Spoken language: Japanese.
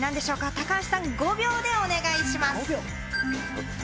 高橋さん５秒でお願いします。